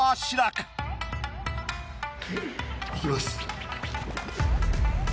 いきます。